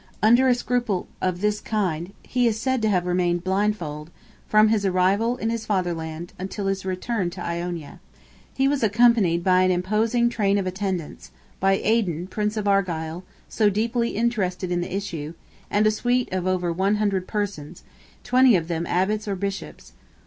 Under a scruple of this kind, he is said to have remained blindfold, from his arrival in his fatherland, till his return to Iona. He was accompanied by an imposing train of attendants; by Aidan, Prince of Argyle, so deeply interested in the issue, and a suite of over one hundred persons, twenty of them Abbots or Bishops.